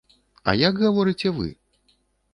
А як гаворыце вы?